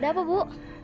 ada apa bu